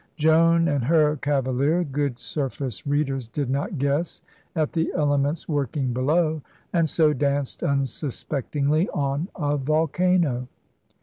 Joan and her cavalier, good surface readers, did not guess at the elements working below, and so danced unsuspectingly on a volcano.